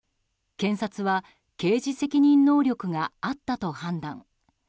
検察は刑事責任能力があったと判断。